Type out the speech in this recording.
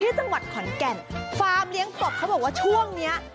ที่จังหวัดขอนแก่นฟาร์มเลี้ยงกบเขาบอกว่าช่วงเนี้ย